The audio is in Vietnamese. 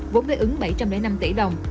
vốn đối ứng bảy trăm linh năm tỷ đồng